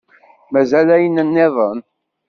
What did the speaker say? Mazal ayen-nniḍen.